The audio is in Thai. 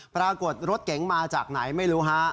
ปรากฏรถเก๋งมาจากไหนไม่รู้ฮะ